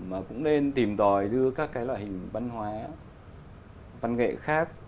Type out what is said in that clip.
mà cũng nên tìm tòi đưa các cái loại hình văn hóa văn nghệ khác